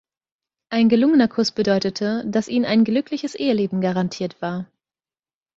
Ein gelungener Kuss bedeutete, dass ihnen ein glückliches Eheleben garantiert war.